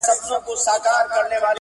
هم سپرلي او هم ګلان په ګاڼو ولي,